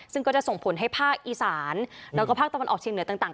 ซึ่งก็จะส่งผลให้ภาคอีสานแล้วก็ภาคตะวันออกเชียงเหนือต่าง